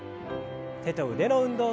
手と腕の運動から。